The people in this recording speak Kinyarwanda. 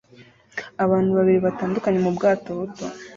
Abantu babiri batandukanye mu bwato buto